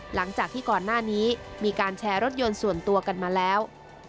หลังจากที่ก่อนหน้านี้มีการแชร์รถยนต์ส่วนตัวกันมาแล้ว